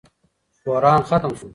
بحران ختم شو.